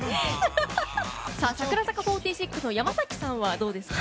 櫻坂４６の山崎さんはどうですか？